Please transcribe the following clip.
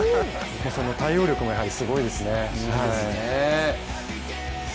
対応力もやはりすごいですね。